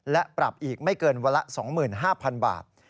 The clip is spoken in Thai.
และปรับอีกไม่เกินวันละ๒๕๐๐๐บาท